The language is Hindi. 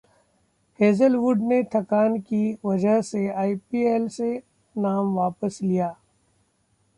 हेजलवुड ने थकान की वजह से आईपीएल से नाम वापस लिया